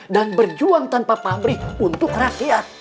dan berjuang tanpa pamrih untuk rakyat